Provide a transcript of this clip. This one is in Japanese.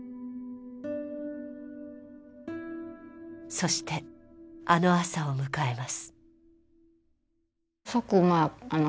そしてあの朝を迎えます。